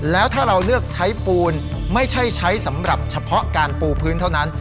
แล้วถ้าเราเลือกใช้ปูนไม่ใช่ใช้สำหรับเฉพาะการปูพื้นเท่านั้น